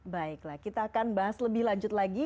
baiklah kita akan bahas lebih lanjut lagi